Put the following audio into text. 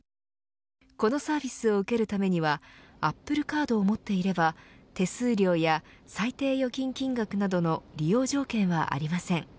このサービスを受けるためにはアップルカードを持っていれば手数料や、最低預金金額などの利用条件はありません。